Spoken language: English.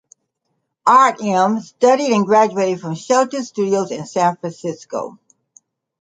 Artem studied and graduated from Shelton Studios in San Francisco.